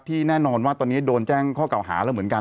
แน่นอนว่าตอนนี้โดนแจ้งข้อเก่าหาแล้วเหมือนกัน